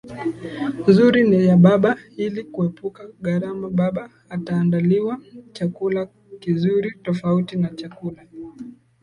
nzuri ni ya baba Ili kuepuka gharama baba ataandaliwa chakula kizuri tofauti na chakula